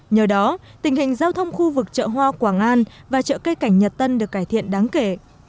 nhờ đó tình hình giao thông khu vực chợ hoa quảng an và chợ cây cảnh nhật tân được cải thiện đáng kể